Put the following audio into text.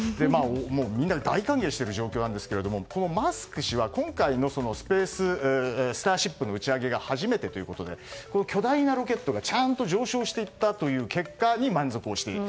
みんな大歓迎している状況なんですがマスク氏は今回の「スターシップ」の打ち上げが初めてということでこの巨大なロケットがちゃんと上昇していったという結果に満足している。